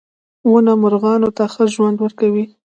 • ونه مرغانو ته ښه ژوند ورکوي.